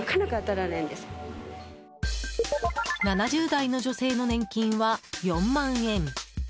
７０代の女性の年金は４万円。